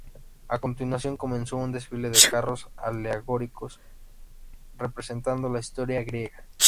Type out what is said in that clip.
A continuación comenzó un desfile de carros alegóricos representando la historia griega.